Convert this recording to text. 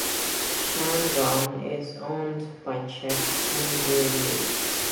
Shandong is owned by chef Henry Liu.